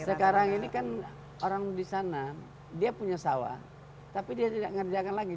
sekarang ini kan orang di sana dia punya sawah tapi dia tidak ngerjakan lagi